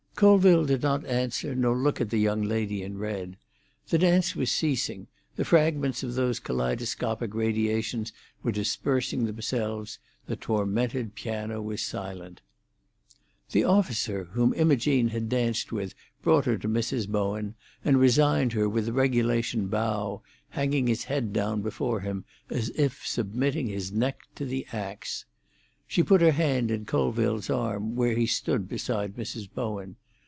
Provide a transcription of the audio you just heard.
Colville did not answer, nor look at the young lady in red. The dance was ceasing; the fragments of those kaleidoscopic radiations were dispersing themselves; the tormented piano was silent. The officer whom Imogene had danced with brought her to Mrs. Bowen, and resigned her with the regulation bow, hanging his head down before him as if submitting his neck to the axe. She put her hand in Colville's arm, where he stood beside Mrs. Bowen.